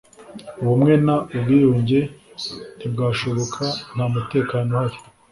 ubumwe n ubwiyunge ntibwashoboka nta mutekano uhari